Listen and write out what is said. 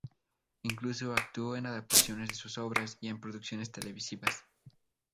Incluso actúo en adaptaciones de sus obras y en producciones televisivas.